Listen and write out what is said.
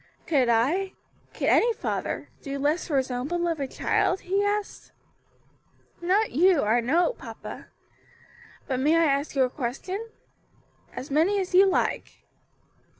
"Could I could any father do less for his own beloved child?" he asked. "Not you, I know, papa. But may I ask you a question?" "As many as you like."